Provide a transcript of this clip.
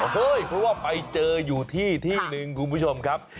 เฮ้ยเพราะว่าไปเจออยู่ที่ที่หนึ่งคุณผู้ชมครับ